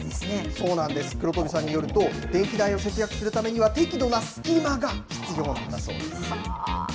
そうなんです、黒飛さんによると、電気代を節約するためには、適度な隙間が必要なんだそうです。